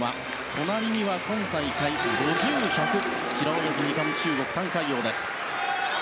隣には今大会５０ｍ、１００ｍで平泳ぎ２冠中国のタン・カイヨウです。